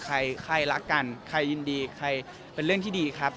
ใครใครรักกันใครยินดีใครเป็นเรื่องที่ดีครับ